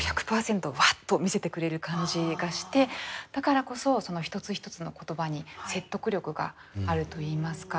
ワッと見せてくれる感じがしてだからこそその一つ一つの言葉に説得力があるといいますか。